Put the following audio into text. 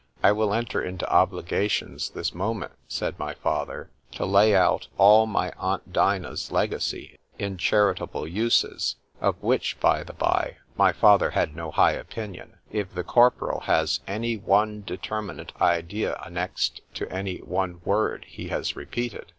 —I will enter into obligations this moment, said my father, to lay out all my aunt Dinah's legacy in charitable uses (of which, by the bye, my father had no high opinion), if the corporal has any one determinate idea annexed to any one word he has repeated.